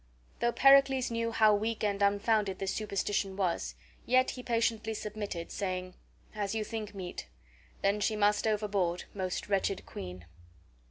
Though Pericles knew how weak and unfounded this superstition was, yet he patiently submitted, saying: "As you think meet. Then she must overboard, most wretched queen!"